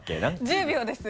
１０秒です。